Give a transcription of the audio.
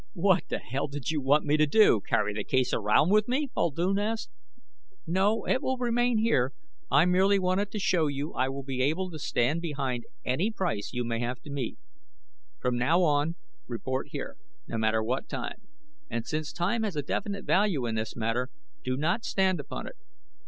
"What the hell did you want me to do, carry the case around with me?" Muldoon asked. "No. It will remain here. I merely wanted to show you I will be able to stand behind any price you may have to meet. From now on report here, no matter what time. And, since time has a definite value in this matter, do not stand upon it."